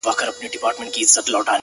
o د پریان لوري. د هرات او ګندارا لوري.